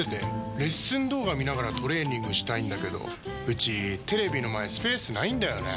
レッスン動画見ながらトレーニングしたいんだけどうちテレビの前スペースないんだよねー。